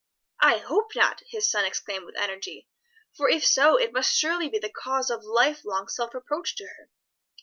"I hope not!" his son exclaimed with energy; "for if so it must surely be the cause of life long self reproach to her.